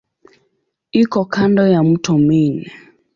Iko kando ya mto Main.